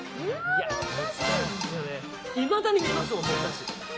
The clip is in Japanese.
いまだに見ますもん。